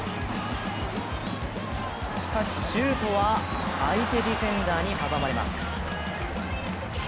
しかし、シュートは相手ディフェンダーに阻まれます。